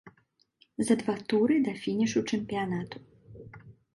За два туры да фінішу чэмпіянату.